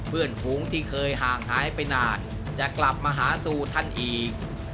เพื่อนฝูงที่เคยห่างหายไปนานจะกลับมาหาสู่ท่านอีก